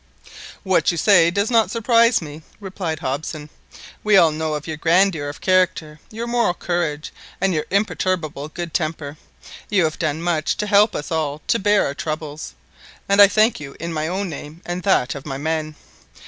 "What you say does not surprise me," replied Hobson; "we all know your grandeur of character, your moral courage and imperturbable good temper. You have done much to help us all to bear our troubles, and I thank you in my own name and that of my men."